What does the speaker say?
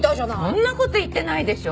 そんな事言ってないでしょ。